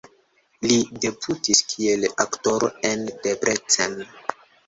Li debutis kiel aktoro en Debrecen.